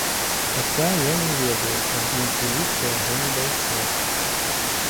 Хаця я не ведаю, каб нейкі ліст да яго не дайшоў.